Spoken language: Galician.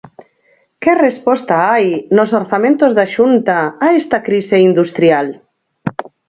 ¿Que resposta hai nos orzamentos da Xunta a esta crise industrial?